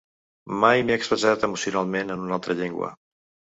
Mai m’he expressat emocionalment en una altra llengua.